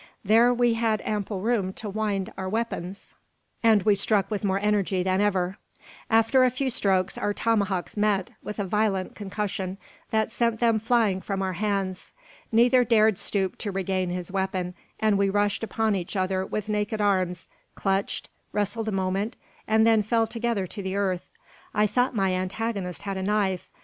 There we had ample room to wind our weapons, and we struck with more energy than ever. After a few strokes, our tomahawks met, with a violent concussion, that sent them flying from our hands. Neither dared stoop to regain his weapon; and we rushed upon each other with naked arms, clutched, wrestled a moment, and then fell together to the earth. I thought my antagonist had a knife.